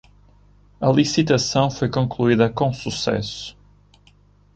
A licitação foi concluída com sucesso